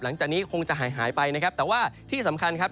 หลังจากนี้คงจะหายหายไปนะครับแต่ว่าที่สำคัญครับ